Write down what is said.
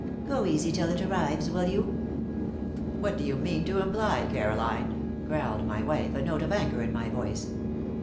"Go easy till it arrives, will you?" "What do you mean to imply, Caroline?" growled my wife, a note of anger in my voice.